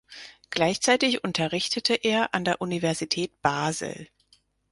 Gleichzeitig unterrichtete er an der Universität Basel.